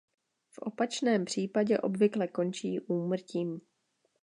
V opačném případě obvykle končí úmrtím.